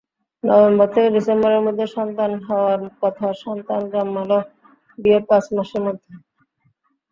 November থেকে ডিসেম্বরের মধ্যে সন্তান হওয়ার কথা—সন্তান জন্মাল বিয়ের পাঁচ মাসের মধ্যে।